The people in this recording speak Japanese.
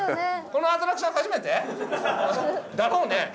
このアトラクション初めて？だろうね。